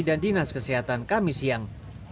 dan dinas kesehatan kamis siang